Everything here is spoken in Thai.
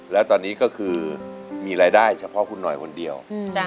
แล้วตอนนี้ก็ก็มีรายได้แค่คนเดียว